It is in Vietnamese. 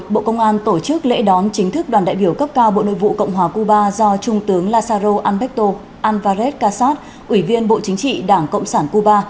năm bộ công an tổ chức lễ đón chính thức đoàn đại biểu cấp cao bộ nội vụ cộng hòa cuba do trung tướng lazaro albecto alvarez casas ủy viên bộ chính trị đảng cộng sản cuba